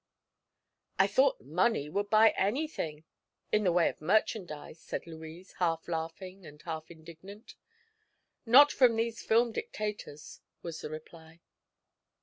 "I thought money would buy anything in the way of merchandise," said Louise, half laughing and half indignant. "Not from these film dictators," was the reply.